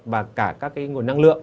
và cả các nguồn năng lượng